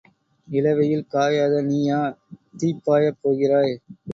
இளவெயில் காயாத நீயா தீப் பாயப் போகிறாய்?